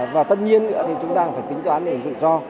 và tất nhiên nữa thì chúng ta cũng phải tính toán về rủi ro